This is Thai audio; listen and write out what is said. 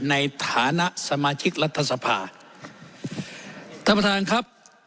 ในฐานะสมาชิกรัฐสภาท่านประธานครับ